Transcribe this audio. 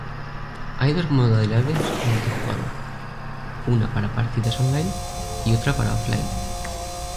Hay dos modalidades multijugador, una para partidas online y otra para offline.